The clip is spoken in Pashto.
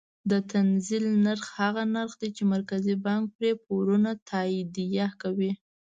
د تنزیل نرخ هغه نرخ دی چې مرکزي بانک پرې پورونه تادیه کوي.